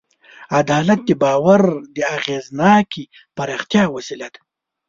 عدالت د باور د اغېزناکې پراختیا وسیله ده.